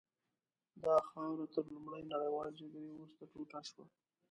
دا خاوره تر لومړۍ نړیوالې جګړې وروسته ټوټه شوه.